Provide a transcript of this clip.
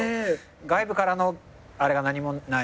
外部からのあれが何もない。